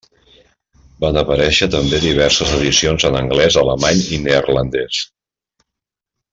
Van aparèixer també diverses edicions en anglès, alemany i neerlandès.